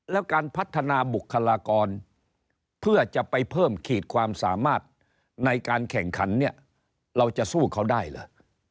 แล้วการพัฒนาบุคลากรเพื่อจะไปเพิ่มขีดความสามารถในการแข่งขันเนี่ยเราจะสู้เขาได้เหรอ